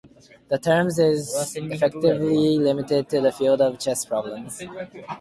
The term is effectively limited to the field of chess problems.